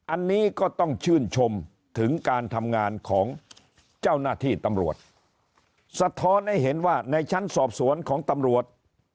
อันนี้ก็ต้องชื่นชมถึงการทำงานของเจ้าหน้าที่ตำรวจสะท้อนให้เห็นว่าในชั้นสอบสวนของตำรวจ